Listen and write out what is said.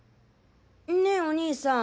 ねえお兄さん